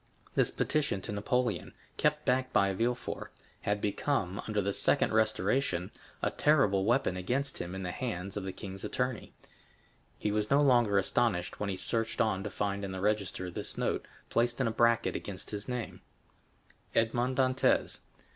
This petition to Napoleon, kept back by Villefort, had become, under the second restoration, a terrible weapon against him in the hands of the king's attorney. He was no longer astonished when he searched on to find in the register this note, placed in a bracket against his name: Edmond Dantès.